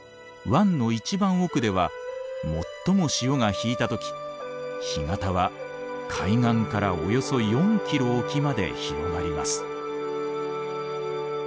湾の一番奥では最も潮が引いた時干潟は海岸からおよそ４キロ沖まで広がります。